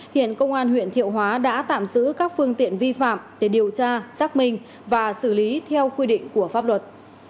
hiện công an huyện thiệu hóa đã tạm giữ các phương tiện vi phạm để điều tra xác minh và xử lý theo quy định của pháp luật